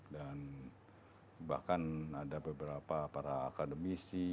dan bahkan ada beberapa para akademisi